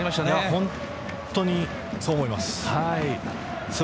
本当にそう思います。